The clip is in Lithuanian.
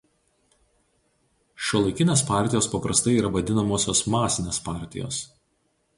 Šiuolaikinės partijos paprastai yra vadinamosios masinės partijos.